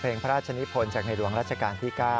พระราชนิพลจากในหลวงรัชกาลที่๙